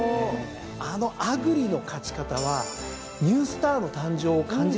あのアグリの勝ち方はニュースターの誕生を感じさせましたよね。